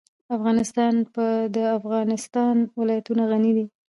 افغانستان په د افغانستان ولايتونه غني دی.